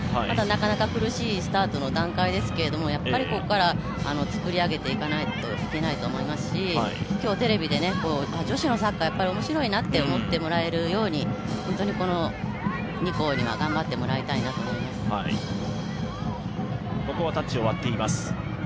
まだなかなか苦しいスタートの段階ですけれども、ここから作り上げていかないといけないと思いますし今日、テレビで、女子のサッカー面白いなと思ってもらえるように本当に２校には頑張ってもらいたいなと思います。